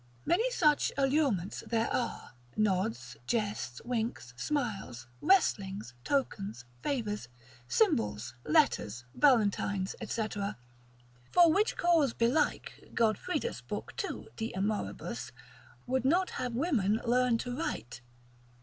Many such allurements there are, nods, jests, winks, smiles, wrestlings, tokens, favours, symbols, letters, valentines, &c. For which cause belike, Godfridus lib. 2. de amor. would not have women learn to write.